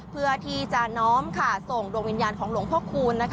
เพื่อที่จะน้อมส่งดวงวิญญาณของหลวงพ่อคูณ